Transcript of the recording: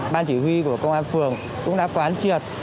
ban chỉ huy của công an phường cũng đã quán triệt